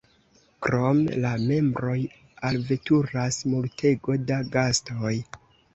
Krom la membroj alveturas multego da gastoj.